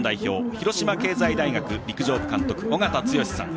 広島経済大学陸上部監督尾方剛さん。